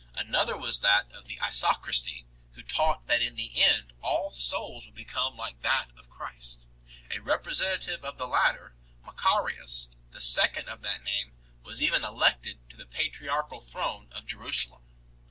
Another was that of the Isochristi, who taught that in the end all souls would become like that of Christ. A representative of the latter, Macarius, the second of that name, was even elected to the patriarchal throne of Jerusalem.